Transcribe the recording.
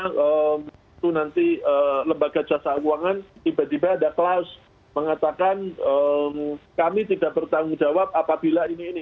itu nanti lembaga jasa keuangan tiba tiba ada kelas mengatakan kami tidak bertanggung jawab apabila ini ini